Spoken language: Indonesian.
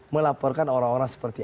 melaporkan orang orang seperti